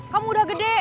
kamu udah gede